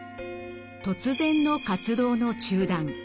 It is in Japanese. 突然の活動の中断。